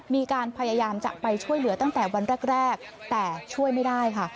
มีการพยายามจะไปช่วยเหลือตั้งแต่วันแรกแต่ช่วยไม่ได้ค่ะ